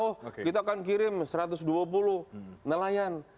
oh kita akan kirim satu ratus dua puluh nelayan